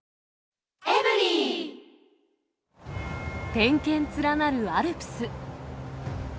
天険連なるアルプス。